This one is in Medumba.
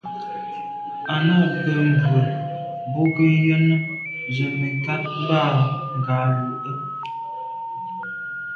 À’ nâ’ bə́ mbrə̀ bú gə ́yɑ́nə́ zə̀ mə̀kát mbâ ngɑ̀ lù’ə́.